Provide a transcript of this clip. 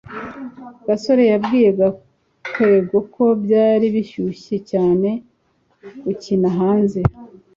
gasore yabwiye gakwego ko byari bishyushye cyane gukina hanze